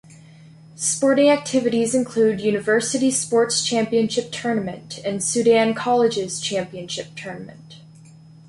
Sporting Activities include university sports championship tournament and Sudan colleges championship tournament.